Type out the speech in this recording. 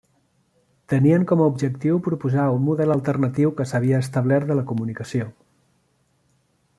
Tenien com a objectiu proposar un model alternatiu que s'havia establert de la comunicació.